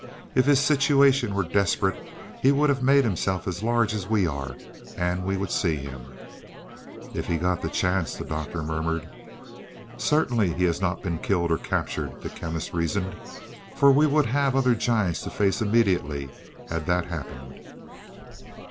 If his situation were desperate he would have made himself as large as we are and we would see him." "If he got the chance," the Doctor murmured. "Certainly he has not been killed or captured," the Chemist reasoned, "for we would have other giants to face immediately that happened."